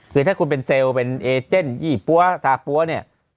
คือถ้าคุณเป็นเซลล์เป็นเอเจนยี่ปั๊วซาปั้วเนี่ย